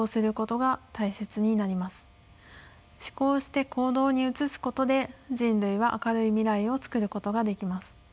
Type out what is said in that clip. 思考して行動に移すことで人類は明るい未来をつくることができます。